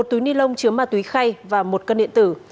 một túi ni lông chứa ma túy khay và một cân điện tử